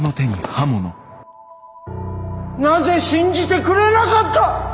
なぜ信じてくれなかった！